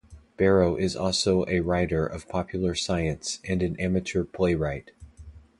Barrow is also a writer of popular science and an amateur playwright.